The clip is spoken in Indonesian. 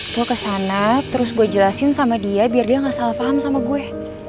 gue kesana terus gue jelasin sama dia biar dia gak salah paham sama gue